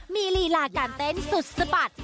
มีลีลาการเต้นสุดสะบัด